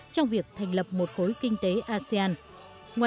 trong việc thành lập một khối kinh tế asean